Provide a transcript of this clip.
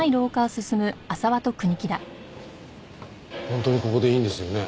本当にここでいいんですよね？